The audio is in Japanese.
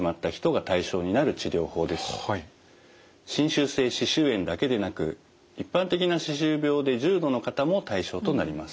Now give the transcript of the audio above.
侵襲性歯周炎だけでなく一般的な歯周病で重度の方も対象となります。